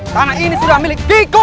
karena ini sudah milik kikowo